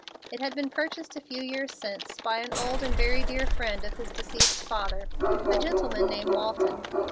It had been purchased a few years since by an old and very dear friend of his deceased father a gentleman named Walton.